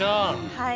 はい。